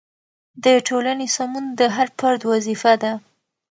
د ټولنې سمون د هر فرد وظیفه ده.